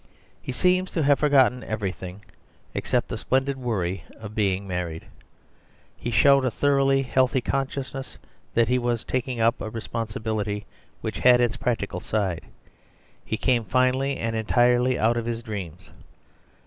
He seems to have forgotten everything, except the splendid worry of being married. He showed a thoroughly healthy consciousness that he was taking up a responsibility which had its practical side. He came finally and entirely out of his dreams.